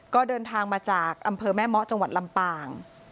ก็เดินทางมาจากอำเภอแม่เมาะจังหวัดลำปาง